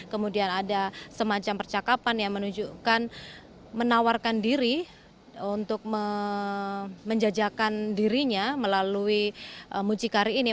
kemudian ada semacam percakapan yang menunjukkan menawarkan diri untuk menjajakan dirinya melalui mucikari ini